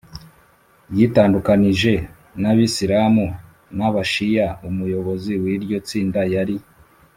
ryitandukanyije n’abisilamu b’abashiya umuyobozi w’iryo tsinda yari